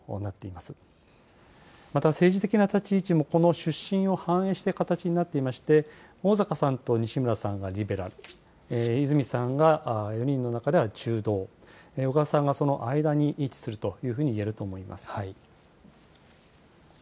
また政治的な立ち位置も、この出身を反映している形になっていまして、逢坂さんと西村さんがリベラル、泉さんが４人の中では中道、小川さんがその間に位置するというふうにいえると思います。